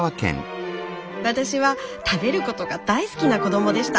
私は食べることが大好きな子どもでした。